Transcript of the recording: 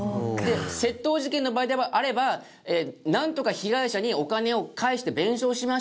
窃盗事件の場合であればなんとか被害者にお金を返して弁償しましょうと。